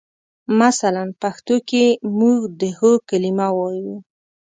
مثلاً پښتو کې موږ د هو کلمه وایو.